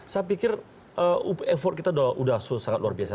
saya pikir effort kita sudah sangat luar biasa